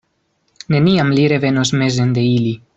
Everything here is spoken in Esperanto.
Neniam li revenos mezen de ili.